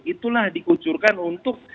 itulah dikucurkan untuk